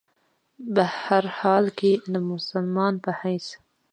بهرحال کۀ د مسلمان پۀ حېث